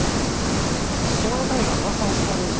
島の民がうわさをしておりました。